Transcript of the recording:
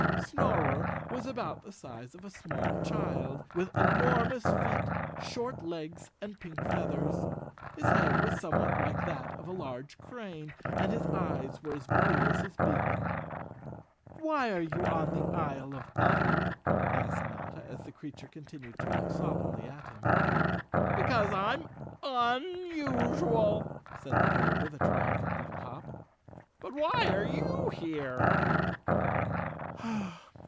Snorer was about the size of a small child, with enormous feet, short legs and pink feathers. His head was somewhat like that of a large crane, and his eyes were as blue as his beak. "Why are you on the Isle of Un?" asked Notta, as the creature continued to look solemnly at him. "Because I'm unusual," said the bird with a tri¬ umphant little hop. "But why are you here?"